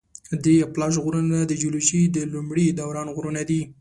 د اپلاش غرونه د جیولوجي د لومړي دوران غرونه دي.